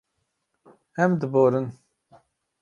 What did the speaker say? Em diborin.